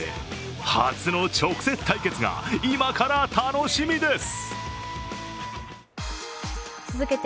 初の直接対決が今から楽しみです。